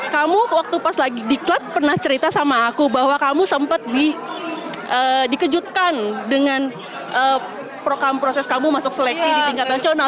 kamu waktu pas lagi diklat pernah cerita sama aku bahwa kamu sempat dikejutkan dengan proses kamu masuk seleksi di tingkat nasional